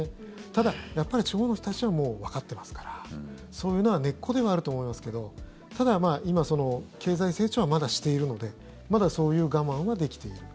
ただ、やっぱり地方の人たちはもうわかっていますからそういうのは根っこではあると思いますけどただ今、経済成長はまだしているのでまだそういう我慢はできている。